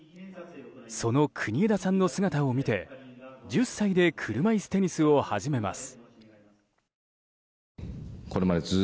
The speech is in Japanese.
その国枝さんの姿を見て１０歳で車いすテニスを始めます。